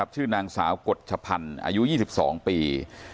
ชื่อนางสาวกฎชพันธ์อายุ๒๒ปี